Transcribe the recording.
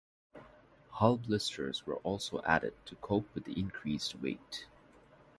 Hull blisters were also added to cope with the increased weight.